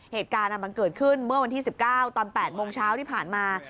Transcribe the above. เหตุการณ์มันเกิดขึ้นเมื่อวันที่๑๙ตอน๘โมงเช้าที่ผ่านมา